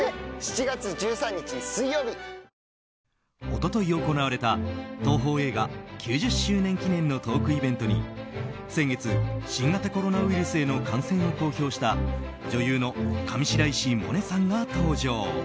一昨日行われた東宝映画９０周年記念のトークイベントに先月、新型コロナウイルスへの感染を公表した女優の上白石萌音さんが登場。